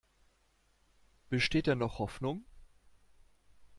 Besteht denn noch Hoffnung?